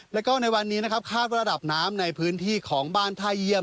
แล้วก็ในวันนี้นะครับคาดว่าระดับน้ำในพื้นที่ของบ้านท่าเยี่ยม